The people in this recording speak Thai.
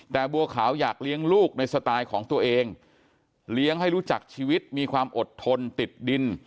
แต่บัวขาวอยากเลี้ยงลูกในสไตล์ของตัวเองเลี้ยงให้รู้จักชีวิตมีความอดทนติดดิน